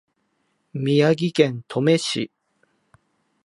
宮城県登米市